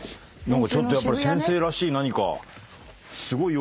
ちょっとやっぱり先生らしい何か。